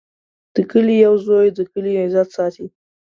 د کلي یو زوی د کلي عزت ساتي.